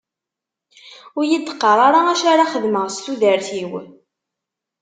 Ur yi-d-qqar ara acu ara xedmeɣ s tudert-iw.